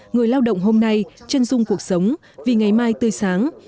người lao động hôm nay chân dung cuộc sống vì ngày mai tươi sáng